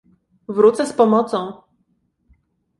"Wrócę z pomocą."